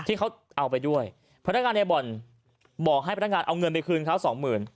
ที่เขาเอาไปด้วยพนักงานในบ่อนบอกให้พนักงานเอาเงินไปคืนเขาสองหมื่น